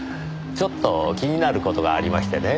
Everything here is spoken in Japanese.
ちょっと気になる事がありましてね。